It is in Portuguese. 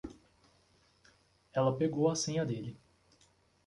Ela pegou a senha dele.